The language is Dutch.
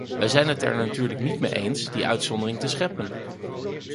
Wij zijn het er natuurlijk niet mee eens die uitzondering te scheppen.